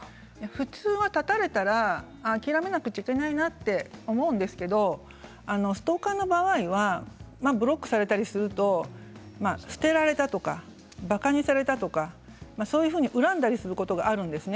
普通、絶たれたら諦めなくちゃいけないなと思うんですけどストーカーの場合はブロックされたりすると捨てられたとかばかにされたとかそういうふうに恨んだりすることがあるんですね